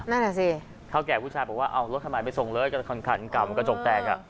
นั่นแหละสิเท่าแก่ผู้ชายบอกว่าเอารถทำไมไปส่งเลยก็คันเก่ากระจกแตกอ่ะ